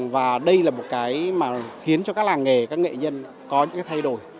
và đây là một cái khiến cho các làng nghề các nghệ nhân có những thay đổi